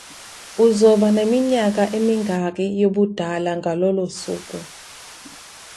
Uzoba neminyaka emingaki yobudala ngalolo suku?